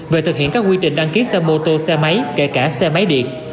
về thực hiện các quy trình đăng ký xe mô tô xe máy kể cả xe máy điện